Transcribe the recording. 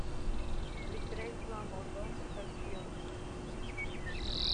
Li kreis la mondon, kaj ĉion en ĝi.